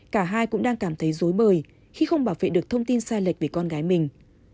cả hai cũng đang cảm thấy dối bời khi không bảo vệ được thông tin sai lệch về con gái mình